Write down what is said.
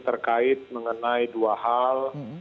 terkait mengenai dua hal